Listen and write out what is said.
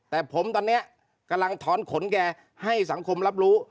แต่ผมตอนนี้กำลังถอนขนแกให้สังคมรับรู้